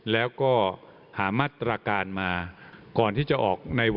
แล้วก็